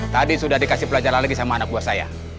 tadi sudah dikasih pelajaran lagi sama anak buah saya